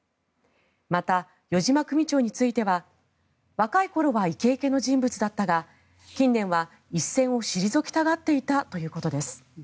また、余嶋組長については若い頃はイケイケの人物だったが近年は一線を退きたがっていたということです。